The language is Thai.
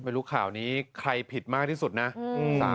ไม่รู้ข่าวนี้ใครผิดมากที่สุดนะ